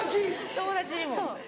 友達にも。